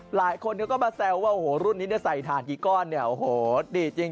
หลายคนเฉล้วว่ารุ่นนี้ใช้ถานกี่ก้อนเนี่ยโอโหดีจริง